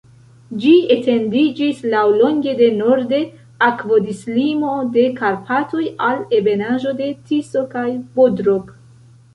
Ĝi etendiĝis laŭlonge de norde akvodislimo de Karpatoj al ebenaĵo de Tiso kaj Bodrog.